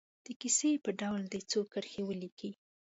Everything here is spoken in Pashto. د کیسې په ډول دې څو کرښې ولیکي.